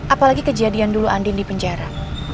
apalagi kejadian dulu andin di penjara